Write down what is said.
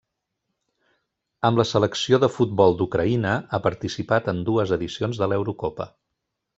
Amb la selecció de futbol d'Ucraïna ha participat en dues edicions de l'Eurocopa.